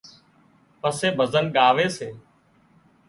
پسي ڀزن ڳاوي سي